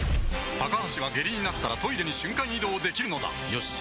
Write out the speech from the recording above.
高橋は下痢になったらトイレに瞬間移動できるのだよし。